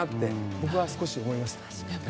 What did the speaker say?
僕は少し思いました。